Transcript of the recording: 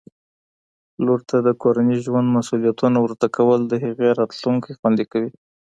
لور ته د کورني ژوند مسؤلیتونه ور زده کول د هغې راتلونکی خوندي کوي